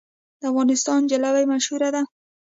د افغانستان جلبي مشهوره ده